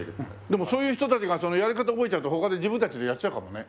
でもそういう人たちがそのやり方覚えちゃうと他で自分たちでやっちゃうかもうね。